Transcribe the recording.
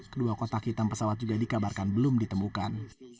kedua kotak hitam pesawat juga dikabarkan belum ditemukan